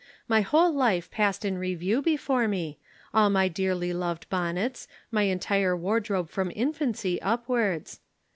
My whole life passed in review before me, all my dearly loved bonnets, my entire wardrobe from infancy upwards.